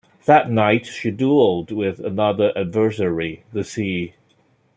That night, she dueled with another adversary - the sea.